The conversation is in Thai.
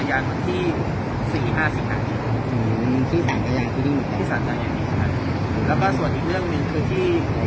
อันนั้นวิตอร์เบลี้พี่สาลเบลี้ใช่